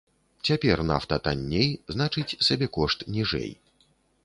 Цяпер нафта танней, значыць сабекошт ніжэй.